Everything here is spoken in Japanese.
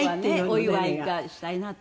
お祝いがしたいなと。